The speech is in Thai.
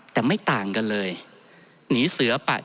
ท่านประธานครับนี่คือสิ่งที่สุดท้ายของท่านครับ